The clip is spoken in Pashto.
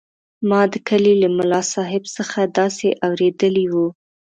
ما د کلي له ملاصاحب څخه داسې اورېدلي وو.